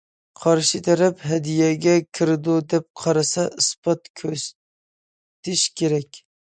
قارشى تەرەپ ھەدىيەگە كىرىدۇ دەپ قارىسا، ئىسپات كۆرسىتىشى كېرەك.